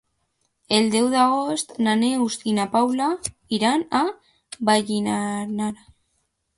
El deu d'agost na Neus i na Paula iran a Vallirana.